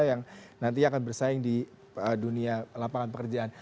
yang nanti akan bersaing di dunia lapangan pekerjaan